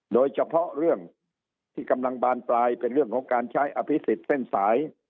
โดยเฉพาะเรื่องที่กำลังบานปลายเป็นเรื่องของการใช้อภิษฎเส้นสาย